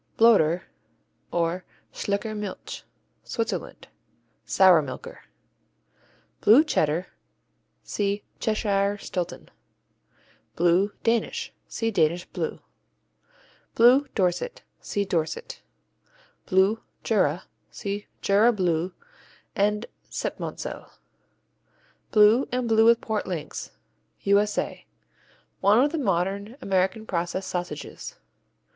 Bloder, or Schlicker Milch Switzerland Sour milker. Blue Cheddar see Cheshire Stilton. Blue, Danish see Danish Blue. Blue Dorset see Dorset. Blue, Jura see Jura Bleu and Septmoncel. Blue, and Blue with Port Links U.S.A. One of the modern American process sausages.